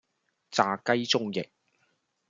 炸雞中翼